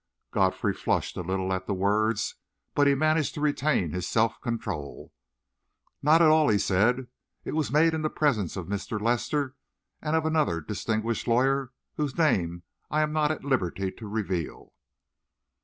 Godfrey flushed a little at the words, but managed to retain his self control. "Not at all," he said. "It was made in the presence of Mr. Lester and of another distinguished lawyer whose name I am not at liberty to reveal."